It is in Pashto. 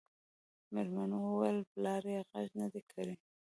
مېلمو وويل پلار يې غږ نه دی کړی.